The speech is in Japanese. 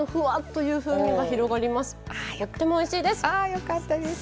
とってもおいしいです。